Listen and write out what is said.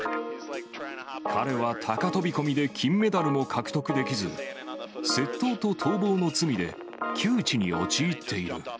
彼は高飛び込みで金メダルも獲得できず、窃盗と逃亡の罪で窮地に陥っている。